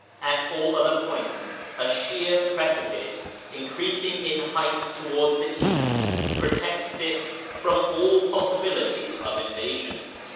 At all other points a sheer preci pice, increasing in height towards the east, protects it from all possibility of invasion.